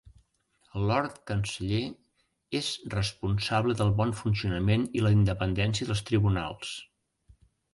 El Lord canceller és responsable del bon funcionament i la independència dels tribunals.